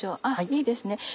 あっいいですね